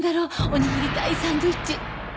おにぎり対サンドイッチ。